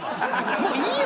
もういいよ！